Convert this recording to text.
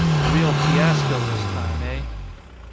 "A real fiasco this time, eh?"